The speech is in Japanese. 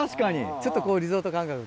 ちょっとリゾート感覚で。